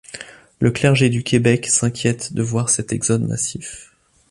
Le clergé du Québec s'inquiète de voir cet exode massif.